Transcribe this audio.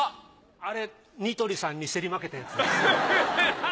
あれ似鳥さんに競り負けたやつ。